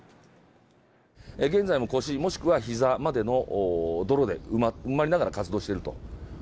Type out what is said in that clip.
現在も腰、もしくはひざまでの泥で埋まりながら活動をしていると。